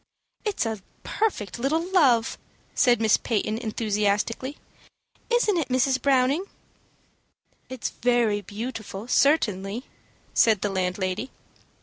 "It's a perfect little love," said Miss Peyton, enthusiastically. "Isn't it, Mrs. Browning?" "It is very beautiful, certainly," said the landlady.